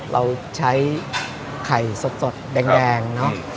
เราใช้ไข่สดแดงเนอะ